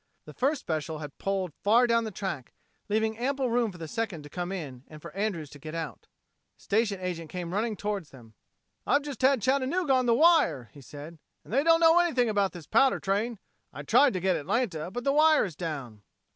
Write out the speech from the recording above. The first special had pulled far down the track, leaving ample room for the second to come in and for Andrews to get out. The station agent came running toward them. "I've just had Chattanooga on the wire," he said, "and they don't know anything about this powder train. I tried to get Atlanta, but the wire is down!"